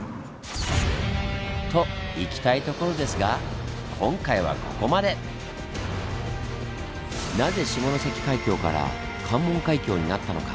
といきたいところですがなぜ「下関海峡」から「関門海峡」になったのか？